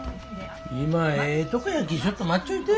今ええとこやけぇちょっと待っちょいて。